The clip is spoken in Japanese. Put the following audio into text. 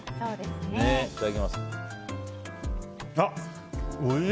いただきます。